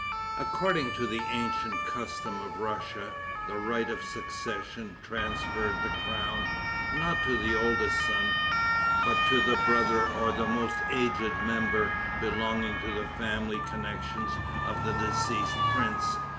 According to the ancient custom of Russia, the right of succession transferred the crown, not to the oldest son, but to the brother or the most aged member belonging to the family connections of the deceased prince.